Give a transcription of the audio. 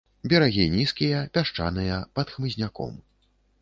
Берагі нізкія, пясчаныя, пад хмызняком.